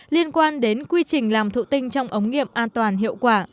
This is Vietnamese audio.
liên quan đến quy trình làm thụ tinh trong ống nghiệm an toàn hiệu quả